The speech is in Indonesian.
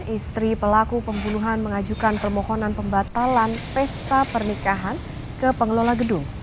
istri pelaku pembunuhan mengajukan permohonan pembatalan pesta pernikahan ke pengelola gedung